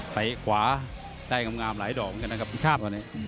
ไปขวาได้กำลังิกมายด่อมากันนะครับอีกภาพนี้